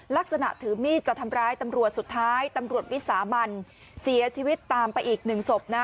ลักษณะถือมีดจะทำร้ายตำรวจสุดท้ายตำรวจวิสามันเสียชีวิตตามไปอีกหนึ่งศพนะ